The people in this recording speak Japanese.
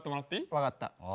わかった。